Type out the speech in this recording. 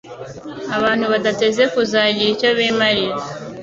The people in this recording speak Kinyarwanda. abantu badateze kuzagira icyo bimarira